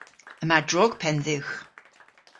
Yma drog penn dhywgh.